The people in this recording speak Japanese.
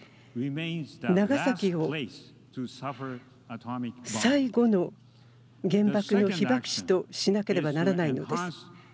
長崎を最後の原爆の被爆地としなければならないのです。